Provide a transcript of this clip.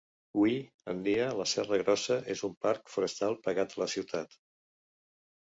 Hui en dia la Serra Grossa és un parc forestal pegat a la ciutat.